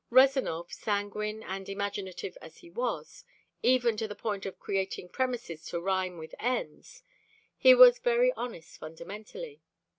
Rezanov, sanguine and imaginative as he was, even to the point of creating premises to rhyme with ends, was very honest fundamentally.